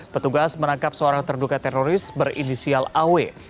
petugas menangkap seorang terduga teroris berinisial aw